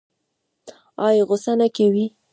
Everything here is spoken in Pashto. ایا غوسه نه کوي؟